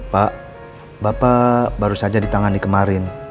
pak bapak baru saja ditangani kemarin